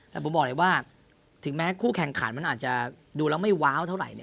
แต่ผมบอกเลยว่าถึงแม้คู่แข่งขันมันอาจจะดูแล้วไม่ว้าวเท่าไหร่